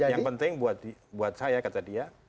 yang penting buat saya kata dia